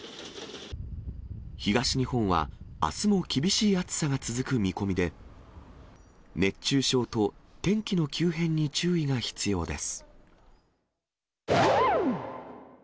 東日本はあすも厳しい暑さが続く見込みで、熱中症と天気の急変に注意が必要です。